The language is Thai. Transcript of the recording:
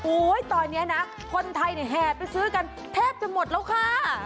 ตอนนี้นะคนไทยแห่ไปซื้อกันแทบจะหมดแล้วค่ะ